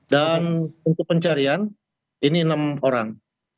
dan untuk pencarian ini enam orang